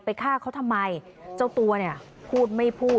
ฆ่าเขาทำไมเจ้าตัวเนี่ยพูดไม่พูด